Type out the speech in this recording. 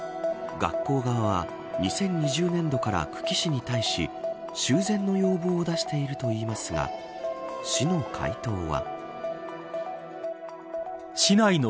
学校側は２０２０年度から久喜市に対し修繕の要望を出しているといいますが市の回答は。